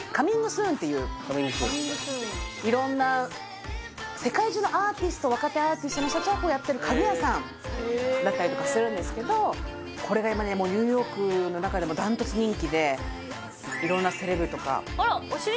スーンっていう色んな世界中のアーティスト若手アーティストの人達がやってる家具屋さんだったりとかするんですけどこれが今ニューヨークの中でもダントツ人気で色んなセレブとかあらお尻？